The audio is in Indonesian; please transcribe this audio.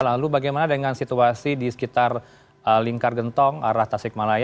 lalu bagaimana dengan situasi di sekitar lingkar gentong arah tasik malaya